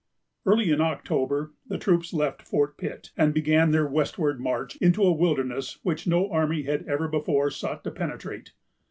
Early in October, the troops left Fort Pitt, and began their westward march into a wilderness which no army had ever before sought to penetrate.